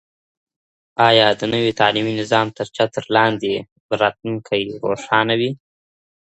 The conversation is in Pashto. آیا د نوي تعلیمي نظام تر چتر لاندې به راتلونکی روښانه وي؟